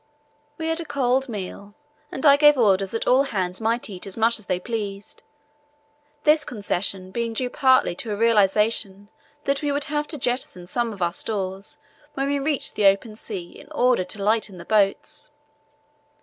We had a cold meal, and I gave orders that all hands might eat as much as they pleased, this concession being due partly to a realization that we would have to jettison some of our stores when we reached open sea in order to lighten the boats.